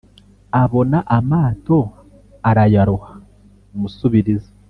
abona amato arayaroha umusubirizo